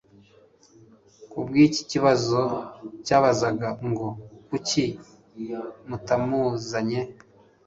kubw'iki kibazo cyabazaga ngo: «Kuki mutamuzanye ?